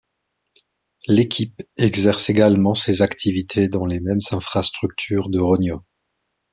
L'équipe exerce également ses activités dans les mêmes infrastructures de Rogno.